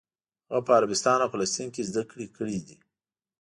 هغه په عربستان او فلسطین کې زده کړې کړې دي.